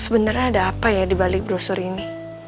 sebenarnya ada apa ya di balik brosur ini